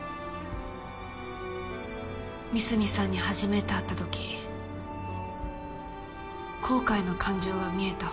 三隅さんにはじめて会ったとき「後悔」の感情が見えた